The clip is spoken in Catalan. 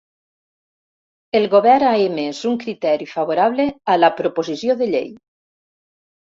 El govern ha emès un criteri favorable a la proposició de llei.